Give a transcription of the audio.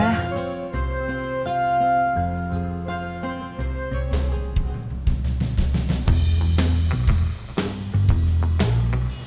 lalu kita cari warung nasi